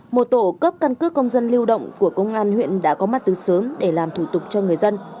một tổ cấp căn cước công dân lưu động của công an huyện đã có mặt từ sớm để làm thủ tục cho người dân